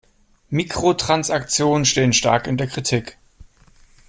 Mikrotransaktionen stehen stark in der Kritik.